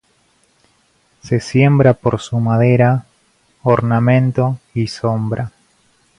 Se siembra por su madera, ornamento y sombra.